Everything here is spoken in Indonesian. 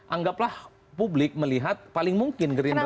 anggaplah publik melihat paling mungkin gerindra